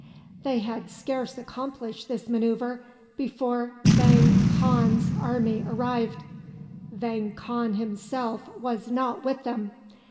They had scarce accomplished this manoeuvre before Vang Khan's army arrived. Vang Khan himself was not with them.